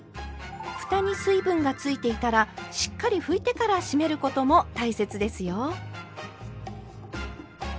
ふたに水分がついていたらしっかり拭いてから閉めることも大切ですよ。